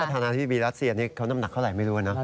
ฐานะที่วีรัสเซียนี่เขาน้ำหนักเท่าไหร่ไม่รู้นะ